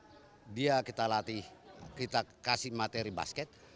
ketika dia kita latih kita kasih materi basket